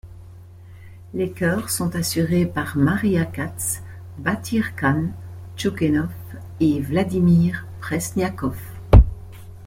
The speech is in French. Les chœurs sont assurés par Maria Kats, Batyrkhan Choukenov et Vladimir Presniakov.